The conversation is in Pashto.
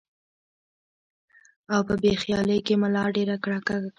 او پۀ بې خيالۍ کښې ملا ډېره کږه کړي ـ